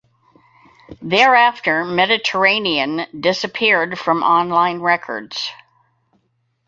Thereafter "Mediterranean" disappeared from online records.